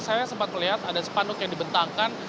saya sempat melihat ada sepanduk yang dibentangkan